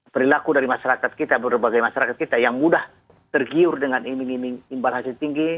perilaku dari masyarakat kita berbagai masyarakat kita yang mudah tergiur dengan imbalan hasil tinggi